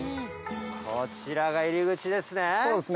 こちらが入り口ですね。